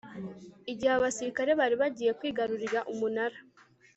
igihe abasirikare bari bagiye kwigarurira umunara